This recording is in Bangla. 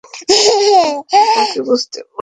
তাকে বুঝতে হবে।